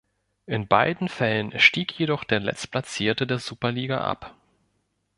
In beiden Fällen stieg jedoch der letztplatzierte der Superliga ab.